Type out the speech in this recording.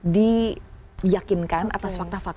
diyakinkan atas fakta fakta